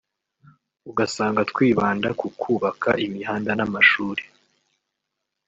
ugasanga twibanda ku kubaka imihanda n’amashuri